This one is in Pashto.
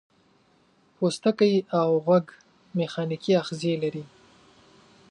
پوستکی او غوږ میخانیکي آخذې لري.